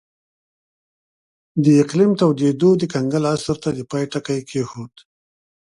د اقلیم تودېدو د کنګل عصر ته د پای ټکی کېښود